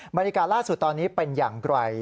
บรรยากาศล่าสุดตอนนี้เป็นอย่างไกล